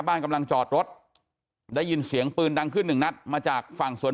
กำลังจอดรถได้ยินเสียงปืนดังขึ้นหนึ่งนัดมาจากฝั่งสวน